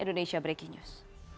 indonesia breaking news